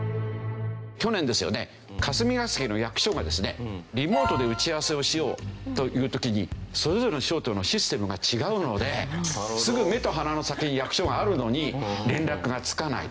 去年ですよね霞が関の役所がですねリモートで打ち合わせをしようという時にそれぞれの省庁のシステムが違うのですぐ目と鼻の先に役所があるのに連絡がつかない。